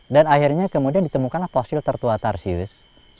dan akhirnya kemudian ditemukanlah fosil tertua tarsius